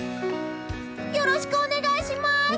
よろしくお願いします。